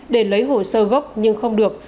để lấy hồ sơ gốc nhưng không được